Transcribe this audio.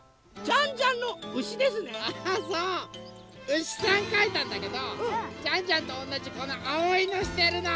うしさんかいたんだけどジャンジャンとおんなじこのあおいのしてるの。